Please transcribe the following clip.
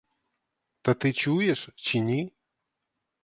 Та ти чуєш чи ні?